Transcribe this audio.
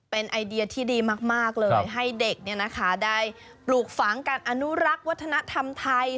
เป็นไอเดียที่ดีมากเลยให้เด็กได้ปลูกฝังการอนุรักษ์วัฒนธรรมไทย